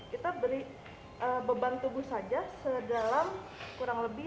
kita beri beban tubuh saja sedalam kurang lebih